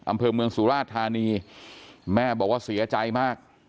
อำเภอเมืองสุราชธานีแม่บอกว่าเสียใจมาก